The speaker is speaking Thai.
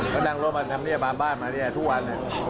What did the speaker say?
ก็ดังรถมาทำเนี่ยบ้านมาเนี่ยทุกวัน